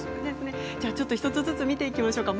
１つずつ見ていきましょうか。